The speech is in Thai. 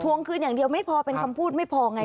วงคืนอย่างเดียวไม่พอเป็นคำพูดไม่พอไง